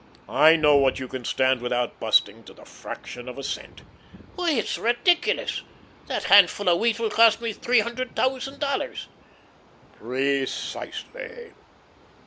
I know what you can stand without busting, to the fraction of a cent." "Why, it's ridiculous. That handful of wheat will cost me three hundred thousand dollars." "Pre cisely."